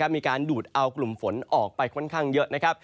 มีการดูดเอากลุ่มฝนออกไปค่อนข้างเยอะนะครับ